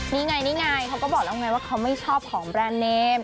นี่ไงนี่ไงเขาก็บอกแล้วไงว่าเขาไม่ชอบของแบรนด์เนม